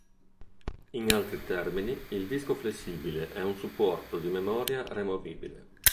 In altri termini il disco flessibile è un supporto di memoria removibile.